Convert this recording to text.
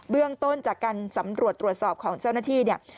เรื่องต้นจากการสำรวจตรวจสอบของเจ้าหน้าที่เนี่ย